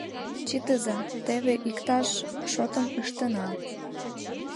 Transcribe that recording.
Чытыза, теве иктаж шотым ыштена».